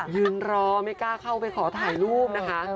ยืนรอไม่กล้าเข้าไปขอถ่ายรูปนะคะ